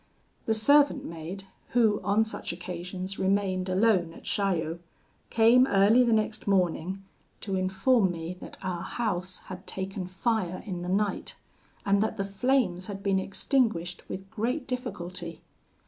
The servant maid who on such occasions remained alone at Chaillot, came early the next morning to inform me that our house had taken fire in the night, and that the flames had been extinguished with great difficulty.